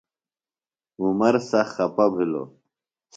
عمر سخت خپہ بھِلوۡ۔